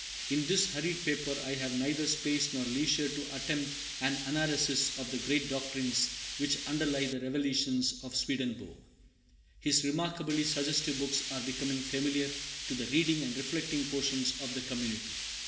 In this hurried paper I have neither space nor leisure to attempt an analysis of the great doctrines which underlie the "revelations" of Swedenborg. His remarkably suggestive books are becoming familiar to the reading and reflecting portion of the community.